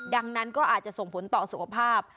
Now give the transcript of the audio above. ดังนั้นก็อาจจะส่งผลต่อสุขภาพ